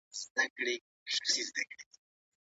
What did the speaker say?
د ماشوم سر او ځان پاک وساتئ.